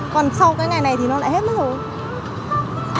còn sau cái ngày này thì nó lại hết mất rồi